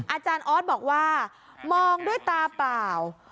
อาจารย์ออสบอกว่ามองด้วยตาเปล่า